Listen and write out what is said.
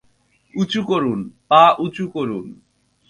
উঁচু করুন, পা উঁচু করুন।